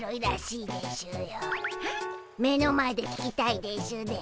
目の前で聞きたいでしゅね。